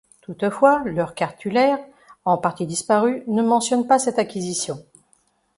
Toutefois, leur cartulaire, en partie disparu, ne mentionne pas cette acquisition.